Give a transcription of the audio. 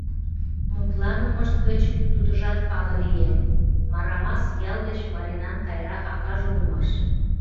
Мутланымышт гыч тудыжат пале лие: Марамас ял гыч Маринан Тайра акаже улмаш.